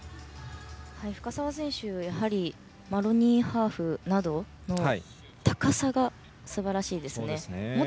深沢選手、やはりマロニーハーフなどの高さがすばらしいですね。